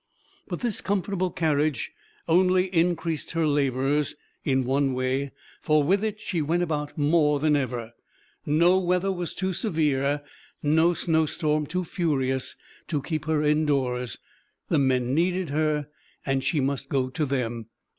But this comfortable carriage only increased her labors, in one way, for with it she went about more than ever. No weather was too severe, no snowstorm too furious, to keep her indoors; the men needed her and she must go to them.